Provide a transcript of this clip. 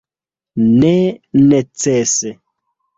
Ne necese.